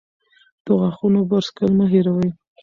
د غاښونو برس کول مه هېروئ.